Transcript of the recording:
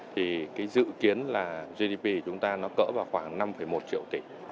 thì dự kiến là gdp của chúng ta cỡ vào khoảng năm một triệu tỷ